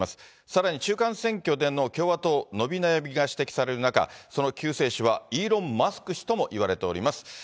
さらに中間選挙での共和党、伸び悩みが指摘される中、その救世主はイーロン・マスク氏ともいわれております。